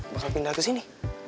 bakal pindah kesini